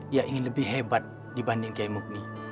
dia ingin lebih hebat dibanding kiai mukmi